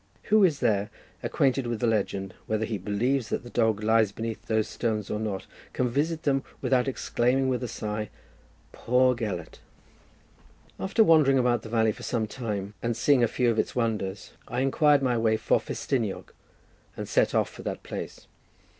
Who is there acquainted with the legend, whether he believes that the dog lies beneath those stones or not, can visit them without exclaiming, with a sigh, "Poor Gelert!" After wandering about the valley for some time, and seeing a few of its wonders, I inquired my way for Festiniog, and set off for that place.